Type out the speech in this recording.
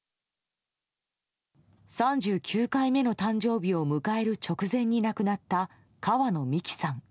３９回目の誕生日を迎える直前に亡くなった川野美樹さん。